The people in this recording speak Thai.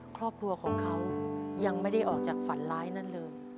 ครอบครัวของเขายังไม่ได้ออกจากฝันร้ายนั่นเลย